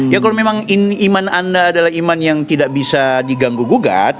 ya kalau memang iman anda adalah iman yang tidak bisa diganggu gugat